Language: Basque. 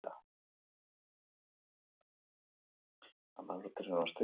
bideojokogintzan hasiberriak direnak zein profesionalak bildu gura dituzte maratoian